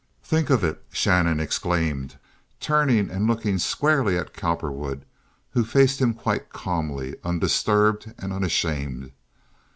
"Think of it! [Shannon exclaimed, turning and looking squarely at Cowperwood, who faced him quite calmly, undisturbed and unashamed.